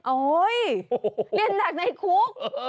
โอ้ยเรียนจากในคุก